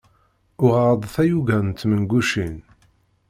Uɣeɣ-d tayuga n tmengucin.